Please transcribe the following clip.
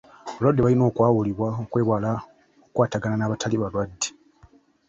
Abalwadde balina okwawulibwa okwewala okukwatagana n'abatali balwadde.